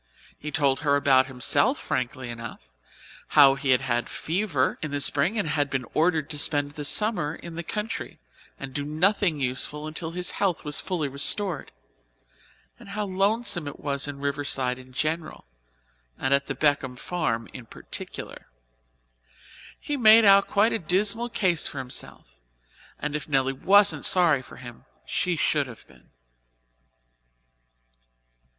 He told her about himself frankly enough how he had had fever in the spring and had been ordered to spend the summer in the country and do nothing useful until his health was fully restored, and how lonesome it was in Riverside in general and at the Beckwith farm in particular. He made out quite a dismal case for himself and if Nelly wasn't sorry for him, she should have been.